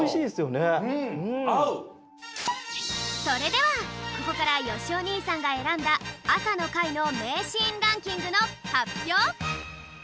それではここからよしお兄さんが選んだ朝の会の名シーンランキングの発表！